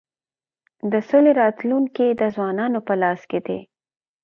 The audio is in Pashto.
د سولی راتلونکی د ځوانانو په لاس کي دی.